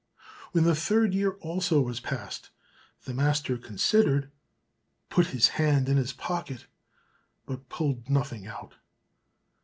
When the third year also was past, the master considered, put his hand in his pocket, but pulled nothing out.